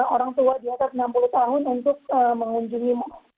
orang tua di atas enam puluh tahun untuk mengunjungi